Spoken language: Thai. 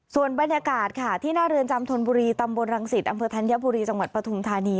ส่วนบรรยากาศค่ะที่หน้าเรือนจำธนบุรีตำบลรังสิตอำเภอธัญบุรีจังหวัดปฐุมธานี